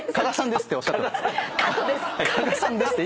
「鹿賀さんです」って。